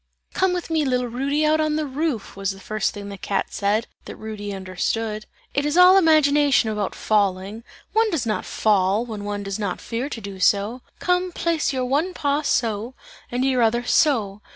"Come with me, little Rudy, out on the roof!" was about the first thing that the cat said, that Rudy understood. "It is all imagination about falling; one does not fall, when one does not fear to do so. Come, place your one paw so, and your other so!